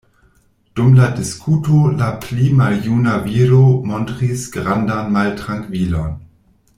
Dum la diskuto la pli maljuna viro montris grandan maltrankvilon.